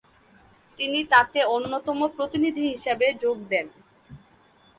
তিনি তাতে অন্যতম প্রতিনিধি হিসেবে যোগ দেন।